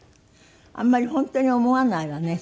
あんまり本当に思わないわね